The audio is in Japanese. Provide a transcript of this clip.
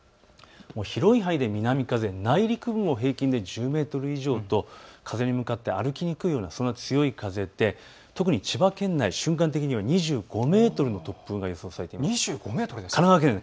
広い範囲で南風、内陸部も平均で１０メートル以上と風に向かって歩きにくいような強い風で、特に千葉県内、瞬間的には２５メートルの突風が予想されています。